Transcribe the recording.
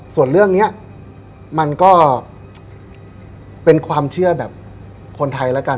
ส่วนเรื่องนี้มันก็เป็นความเชื่อแบบคนไทยแล้วกัน